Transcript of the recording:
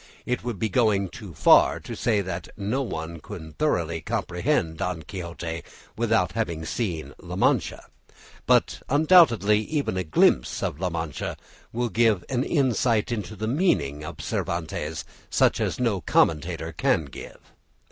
It would be going too far to say that no one can thoroughly comprehend "Don Quixote" without having seen La Mancha, but undoubtedly even a glimpse of La Mancha will give an insight into the meaning of Cervantes such as no commentator can give.